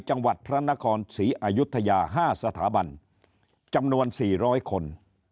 จังหวัดพระนครศรีอายุทยา๕สถาบันจำนวน๔๐๐คน